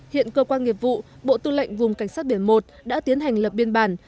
hiện cơ quan nghiệp vụ bộ tư lệnh vùng cảnh sát biển một đã tiến hành lập biên bản